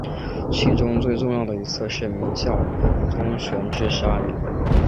其中最重要的一次是明孝宗弘治十二年。